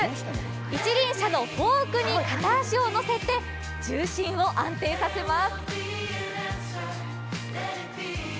一輪車の片脚を乗せて重心を安定させます。